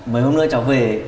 mấy hôm nữa cháu về